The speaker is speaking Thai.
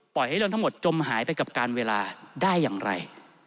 ให้เรื่องทั้งหมดจมหายไปกับการเวลาได้อย่างไร